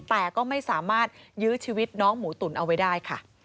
แต่ก็ไม่สามารถยื้อชีวิตน้องหมูตุ๋นเอาไว้ได้ค่ะ